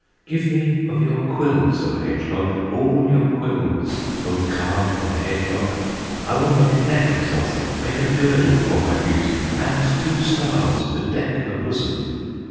"Give me of your quills, O Hedgehog! All your quills, O Kagh, the Hedgehog! I will make a necklace of them, Make a girdle for my beauty, And two stars to deck her bosom!"